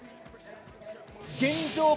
現状